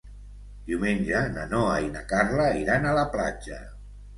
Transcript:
Diumenge na Noa i na Carla iran a la platja.